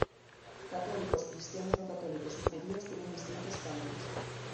Católicos, cristianos no católicos y judíos tienen distintos cánones.